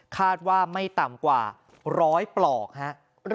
คาดว่าไม่ต่ำกว่า๑๐๐ปลอกครับ